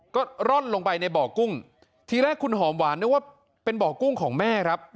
ก็ร่อนลงไปในบ่อกุ้งทีแรกคุณหอมหวานนึกว่าเป็นบ่อกุ้งของแม่ครับ